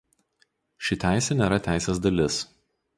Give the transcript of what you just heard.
Ši teisė nėra teisės dalis.